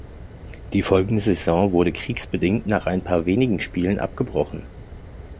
Die folgende Saison wurde kriegsbedingt nach ein paar wenigen Spielen abgebrochen.